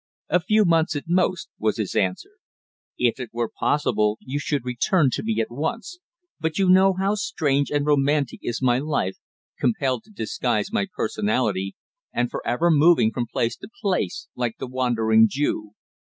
"A few months at most," was his answer. "If it were possible you should return to me at once; but you know how strange and romantic is my life, compelled to disguise my personality, and for ever moving from place to place, like the Wandering Jew.